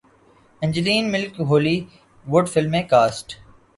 Angeline ملک Hollywood film میں cost